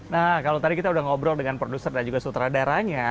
nah kalau tadi kita udah ngobrol dengan produser dan juga sutradaranya